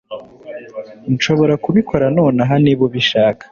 nshobora kubikora nonaha niba ubishaka